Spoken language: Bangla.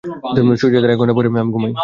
সূর্যাস্তের এক ঘন্টা পরেই আমি ঘুমাই।